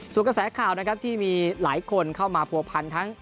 ส่วนกระแสข่าวนะครับที่มีหลายคนเข้ามาผัวพันทั้ง